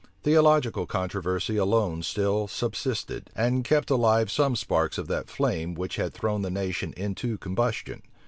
Theological controversy alone still subsisted, and kept alive some sparks of that flame which had thrown the nation into combustion.